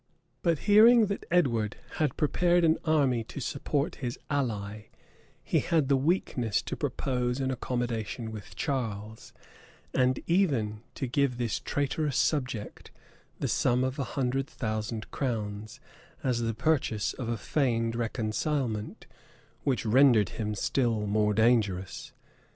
But hearing that Edward had prepared an army to support his ally, he had the weakness to propose an accommodation with Charles, and even to give this traitorous subject the sum of a hundred thousand crowns, as the purchase of a feigned reconcilement, which rendered him still more dangerous.